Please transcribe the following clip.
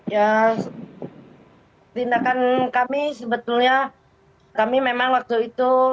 ya tindakan kami sebetulnya kami memang waktu itu